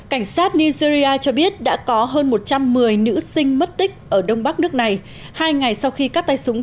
cảnh sát nigeria cho biết đã có hơn một trăm một mươi nữ sinh mất tích ở đông bắc nước này hai ngày sau khi các tay súng